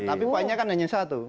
tapi poinnya kan hanya satu